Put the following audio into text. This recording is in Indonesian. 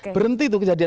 berhenti itu kejadian